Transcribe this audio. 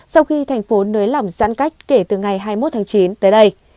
sau khi thành phố nới lỏng giãn cách kể từ ngày hai mươi một tháng chín tới đây